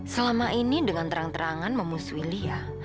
selama ini dengan terang terangan memusuhi lia